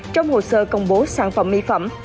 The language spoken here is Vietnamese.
trong hồ sơ công bố sản phẩm mỹ phẩm